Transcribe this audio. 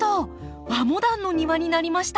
和モダンの庭になりました。